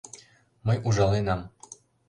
Мый ужаленам...